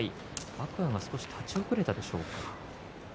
天空海が少し立ち遅れたんでしょうか。